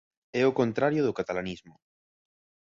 É o contrario do catalanismo.